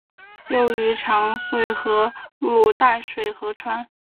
幼鱼常溯河入淡水河川。